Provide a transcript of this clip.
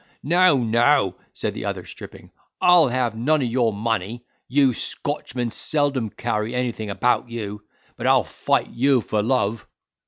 "No, no!" said the other, stripping; "I'll have none of your money—you Scotchmen seldom carry anything about you; but I'll fight you for love."